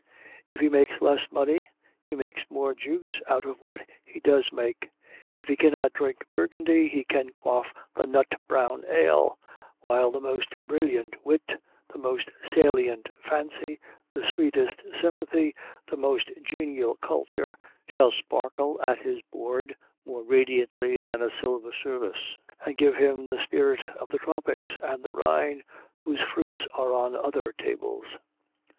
If he makes less money, he makes more juice out of what he does make. If he cannot drink burgundy he can quaff the nut brown ale; while the most brilliant wit, the most salient fancy, the sweetest sympathy, the most genial culture, shall sparkle at his board more radiantly than a silver service, and give him the spirit of the tropics and the Rhine, whose fruits are on other tables.